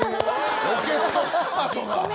ロケットスタートが。